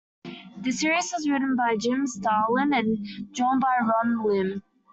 The series was written by Jim Starlin, and drawn by Ron Lim.